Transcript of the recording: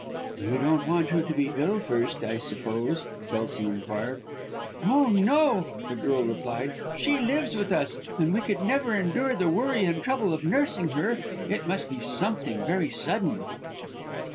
"You don't want her to be ill first, I suppose," Kelson inquired. "Oh, no!" the girl replied, "she lives with us and we could never endure the worry and trouble of nursing her. It must be something very sudden."